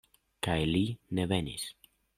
Kaj li ne venis!